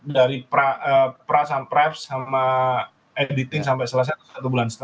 dari perasaan prip sama editing sampai selesai satu bulan